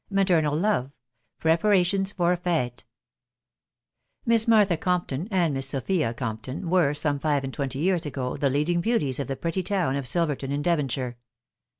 MATERNAL LOVE. PREPARATIONS FOR A FETE. Miss Martha Compton, and Miss Sophia Compton, were, some five and twenty years ago, the leading beauties of the pretty town pi Silverton in Devonshire.